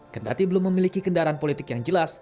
kendati belum memiliki kendaraan politik yang jelas